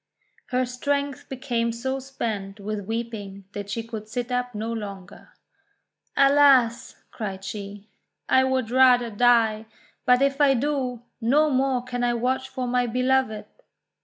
Her strength became so spent with weeping that she could sit up no longer. "Alas!" cried she, "I would rather die; but if I do, no more can I watch for my Beloved!